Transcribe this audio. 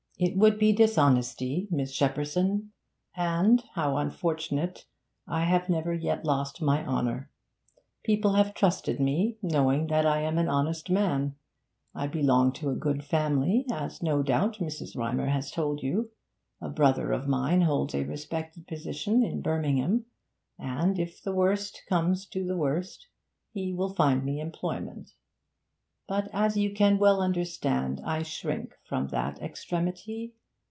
'It would be dishonesty, Miss Shepperson, and, how unfortunate, I have never yet lost my honour. People have trusted me, knowing that I am an honest man. I belong to a good family as, no doubt, Mrs. Rymer has told you. A brother of mine holds a respected position in Birmingham, and, if the worst comes to the worst, he will find me employment. But, as you can well understand, I shrink from that extremity.